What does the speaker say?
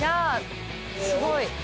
すごい。